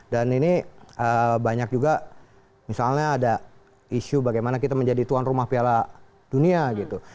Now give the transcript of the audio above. dan ini banyak juga misalnya ada isu bagaimana kita menjadi tuan rumah piala dunia gitu